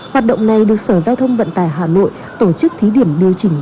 hoạt động này được sở giao thông vận tải hà nội tổ chức thí điểm điều chỉnh